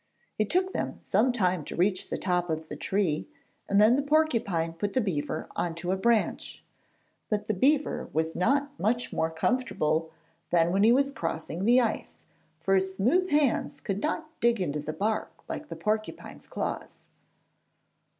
It took them some time to reach the top of the tree and then the porcupine put the beaver on to a branch. But the beaver was not much more comfortable than when he was crossing the ice, for his smooth hands could not dig into the bark like the porcupine's claws.